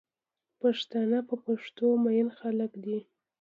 پښتانه په پښتو مئین خلک دی